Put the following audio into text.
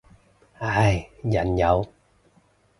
唉，人有